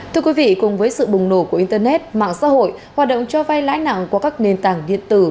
thưa quý vị cùng với sự bùng nổ của internet mạng xã hội hoạt động cho vai lãi nặng qua các nền tảng điện tử